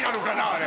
あれ。